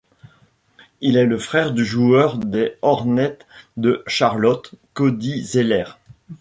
Il est le frère du joueur des Hornets de Charlotte, Cody Zeller.